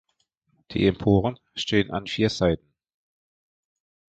Die Emporen stehen an vier Seiten.